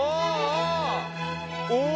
お！